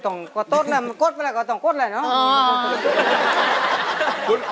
เพลงนี้อยู่ในอาราบัมชุดแรกของคุณแจ็คเลยนะครับ